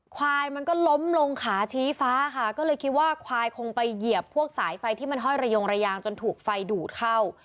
ควายมันก็ล้มลงขาชี้ฟ้าค่ะก็เลยคิดว่าควายคงไปเหยียบพวกสายไฟที่มันห้อยระยงระยางจนถูกไฟดูดเข้า